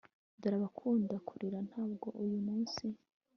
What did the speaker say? dore abakunda kurira ntabwo uyu munsi